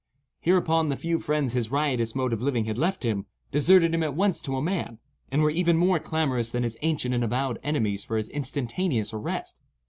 Hereupon, the few friends his riotous mode of living had left him deserted him at once to a man, and were even more clamorous than his ancient and avowed enemies for his instantaneous arrest.